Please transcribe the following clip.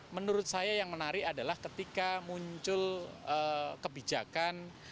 menurut saya yang menarik adalah ketika muncul kebijakan